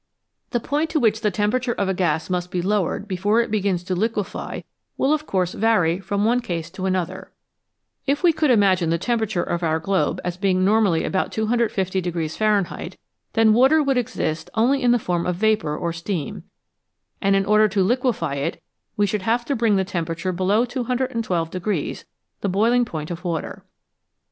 The point to which the temperature of a gas must be lowered before it begins to liquefy will, of course, vary from one case to another. If we could imagine the temperature of our 183 BELOW ZERO globe as being normally about 250 Fahrenheit, then water would exist only in the form of vapour or steam, and in order to liquefy it we should have to bring the temperature below 212, the boiling point of water.